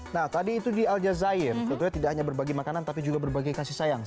nah tadi itu di al jazair tidak hanya berbagi makanan tapi juga berbagi kasih sayang